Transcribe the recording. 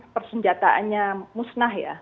persenjataannya musnah ya